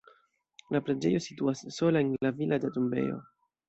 La preĝejo situas sola en la vilaĝa tombejo.